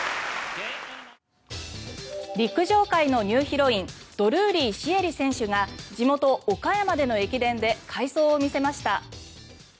陸上界のニューヒロインドルーリー朱瑛里選手が地元・岡山での駅伝で快走を見せました。